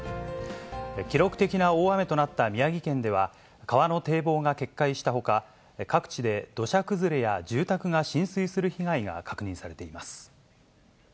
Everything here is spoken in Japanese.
記録的な大雨となった宮城県では、川の堤防が決壊したほか、各地で土砂崩れや住宅が浸水する被害が確認されています。